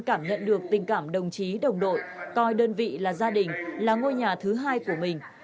cảm nhận được tình cảm đồng chí đồng đội coi đơn vị là gia đình là ngôi nhà thứ hai của mình